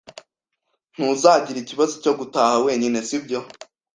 Ntuzagira ikibazo cyo gutaha wenyine, sibyo?